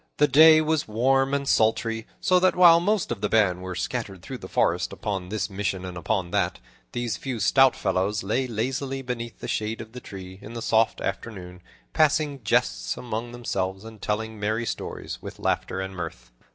The day was warm and sultry, so that while most of the band were scattered through the forest upon this mission and upon that, these few stout fellows lay lazily beneath the shade of the tree, in the soft afternoon, passing jests among themselves and telling merry stories, with laughter and mirth.